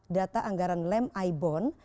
data anggaran lem aibon